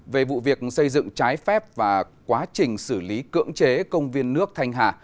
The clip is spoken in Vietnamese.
về vụ việc xây dựng trái phép và quá trình xử lý cưỡng chế công viên nước thanh hà